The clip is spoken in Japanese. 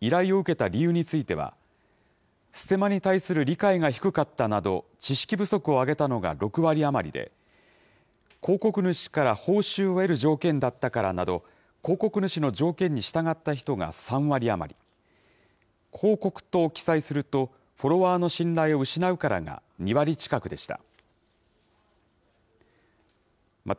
依頼を受けた理由については、ステマに対する理解が低かったなど、知識不足を挙げたのが６割余りで、広告主から報酬を得る条件だったからなど、広告主の条件に従った人が３割余り、広告と記載するとフォロワーの信頼を失うからが２割近くでした。